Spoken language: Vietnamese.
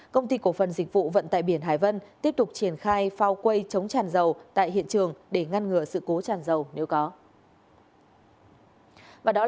công ty cổ phần dịch vụ vận tải biển hải vân tiếp tục triển khai phao quay chống tràn dầu tại hiện trường để ngăn ngừa sự cố tràn dầu nếu có